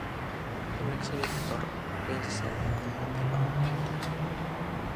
Onneksi Victor riensi selvittämään tilannetta: